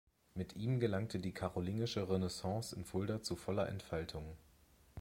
Mit ihm gelangte die karolingische Renaissance in Fulda zu voller Entfaltung.